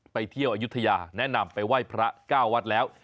ไปเที่ยวอายุทยาแนะนำไปไหว้พระ๙วัดแล้ว